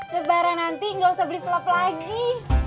lebaran nanti gak usah beli slop lagi